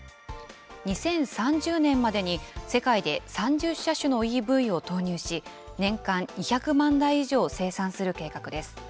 ２０３０年までに世界で３０車種のＥＶを投入し、年間２００万台以上生産する計画です。